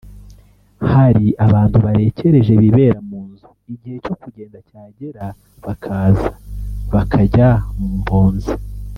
Hari abantu barekerereje bibera mu nzu igihe cyo kugenda cyagera bakaza bakajya mu mpunzi